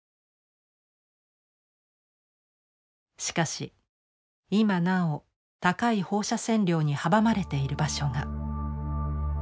しかし今なお高い放射線量に阻まれている場所が。